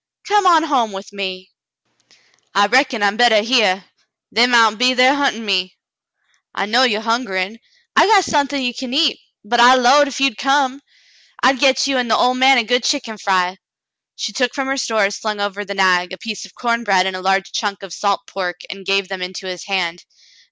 Come on home with me." "I reckon I'm bettah hyar. They mount be thar huntin' me." "I know you're hungerin*. I got suthin' ye can eat, but I 'lowed if you'd come, I'd get you an' the ol' man a good chick'n fry." She took from her stores, slung over the nag, a piece of corn bread and a large chunk of salt pork, and gave them into his hand.